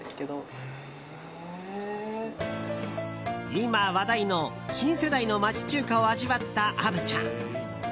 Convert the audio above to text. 今話題の新世代の町中華を味わった虻ちゃん。